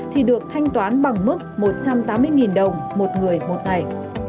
thì được thanh toán bằng mức một trăm tám mươi đồng một người một ngày